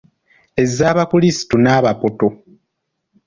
Ez'abakulisitu n’abapoto.